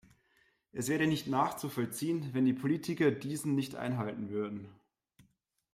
Es wäre nicht nachzuvollziehen, wenn die Politiker diesen nicht einhalten würden.